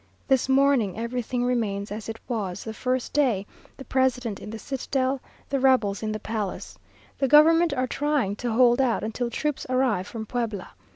This morning, everything remains as it was the first day the president in the citadel, the rebels in the palace. The government are trying to hold out until troops arrive from Puebla.